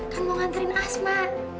kan mau nganterin asma